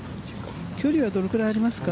距離はどのくらいありますか？